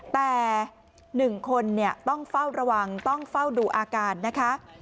แต่๑คนต้องเฝ้าระวังต้องเฝ้าดูอาการนะคะ